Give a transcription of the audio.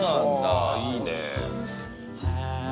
は、いいね。